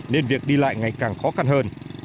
nên việc đi lại ngày càng khó khăn hơn